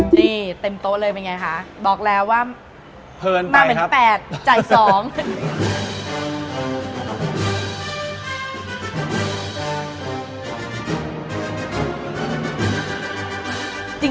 นี่เต็มโต๊ะเลยเป็นไงคะบอกแล้วว่าเพลินมาเป็นแปดจ่ายสอง